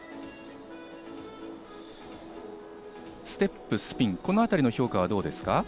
ステップ、スピン、このあたりの評価はどうですか？